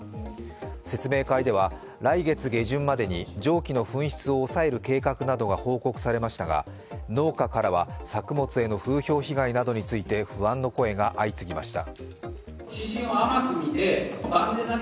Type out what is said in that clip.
説明会では来月下旬までに蒸気の噴出を抑える計画などが報告されましたが、農家からは作物への風評被害について不安の声が相次ぎました。